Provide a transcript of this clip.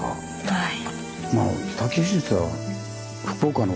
はい。